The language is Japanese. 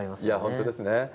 いや、本当ですよね。